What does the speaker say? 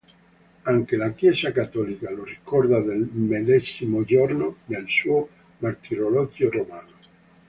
Anche la Chiesa cattolica lo ricorda nel medesimo giorno nel suo "Martirologio Romano".